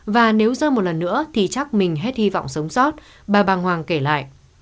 và nếu dơ một lần nữa thì chắc mình hết hy vọng sống sót bà bàng hoàng kể lại